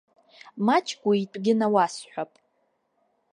Маҷк уи итәгьы науасҳәап.